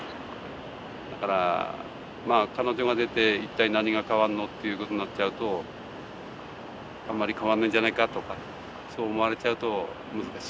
だから彼女が出て一体何が変わるのっていうことになっちゃうとあんまり変わらないんじゃないかとかそう思われちゃうと難しいよね。